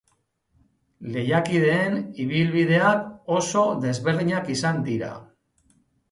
Lehiakideen ibilbideak oso desberdinak izan dira.